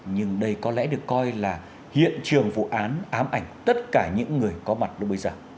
nhưng đây có lẽ được coi là hiện trường vụ án ám ảnh tất cả những người có mặt lúc bây giờ